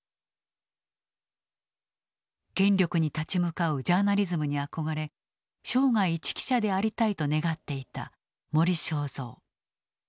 権力に立ち向かうジャーナリズムに憧れ生涯一記者でありたいと願っていた森正蔵。